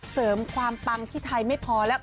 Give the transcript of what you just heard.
เสริมความปังที่ไทยไม่พอแล้ว